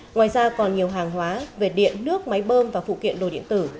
ngoài ra còn nhiều hàng hóa về điện nước máy bơm và phụ kiện đồ điện tử